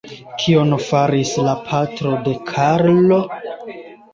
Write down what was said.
Kion faris la patro de Karlo?